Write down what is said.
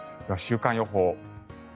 週間予報。